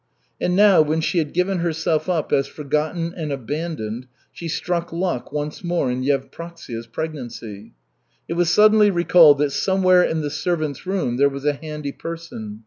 And now, when she had given herself up as forgotten and abandoned, she struck luck once more in Yevpraksia's pregnancy. It was suddenly recalled that somewhere in the servants' room there was a handy person.